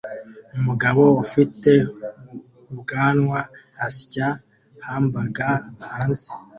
Umugabo ufite ubwanwa asya hamburg hanze